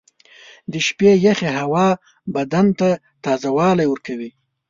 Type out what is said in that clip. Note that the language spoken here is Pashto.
• د شپې یخې هوا بدن ته تازهوالی ورکوي.